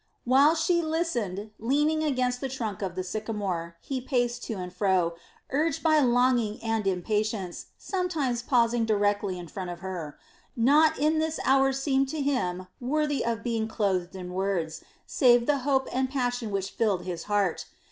While she listened, leaning against the trunk of the sycamore, he paced to and fro, urged by longing and impatience, sometimes pausing directly in front of her. Naught in this hour seemed to him worthy of being clothed in words, save the hope and passion which filled his heart.